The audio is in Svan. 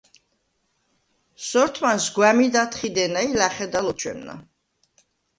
სორთმანს გვა̈მიდ ათხიდენა ი ლა̈ხედალ ოთჩვემნა.